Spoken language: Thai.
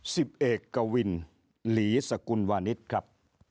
สิบเอกวินหลีสกุลวานิสครับ